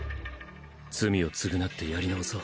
罪を償ってやり直そう。